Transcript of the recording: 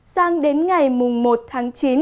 sáng đến ngày một tháng chín